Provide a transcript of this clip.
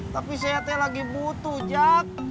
tapi saya teh lagi butuh jack